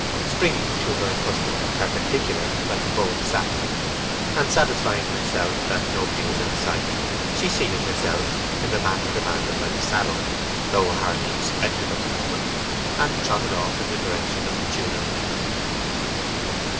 Springing to her accustomed perpendicular like a bowed sapling, and satisfying herself that nobody was in sight, she seated herself in the manner demanded by the saddle, though hardly expected of the woman, and trotted off in the direction of Tewnell Mill.